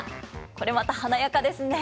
これまた華やかですね。